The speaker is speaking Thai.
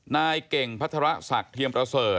นายเก่งพัฒระศักดิ์เทียมประเสริฐ